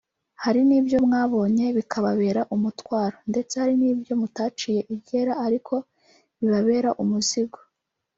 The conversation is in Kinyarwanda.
Hari n’ibyo mwabonye bikababera umutwaro; ndetse hari n’ibyo mutaciye iryera ariko bibabera umuzigo